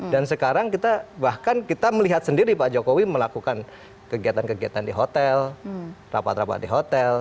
dan sekarang kita bahkan kita melihat sendiri pak jokowi melakukan kegiatan kegiatan di hotel rapat rapat di hotel